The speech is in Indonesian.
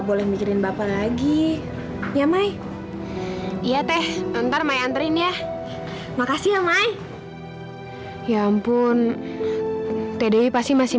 boleh mikirin bapak lagi ya mai ya teh antar may anterin ya makasih ya mai ya ampun tehnya pasti masih